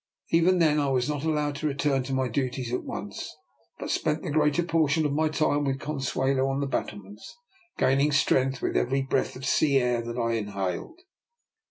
Even then I was not allowed to return to my duties at once, but spent the greater portion of my time with Consuelo on the battlements, gaining strength with every breath of sea air that I inhaled.